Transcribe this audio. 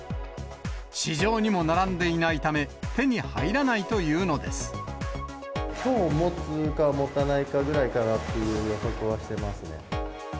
市場にも並んでいないため、きょうもつか、もたないかぐらいかなという予測はしてますね。